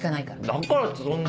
だからってそんな。